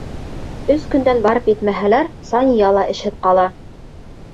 Өс көндән барып етмәһәләр, Сания ла эшһеҙ ҡала!